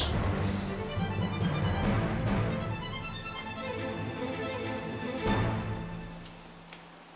boleh dikita ini